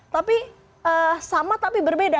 tapi sama tapi berbeda